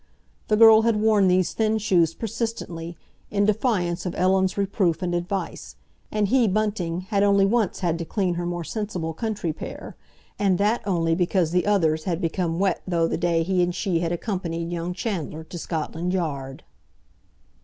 The girl had worn these thin shoes persistently, in defiance of Ellen's reproof and advice, and he, Bunting, had only once had to clean her more sensible country pair, and that only because the others had become wet through the day he and she had accompanied young Chandler to Scotland Yard.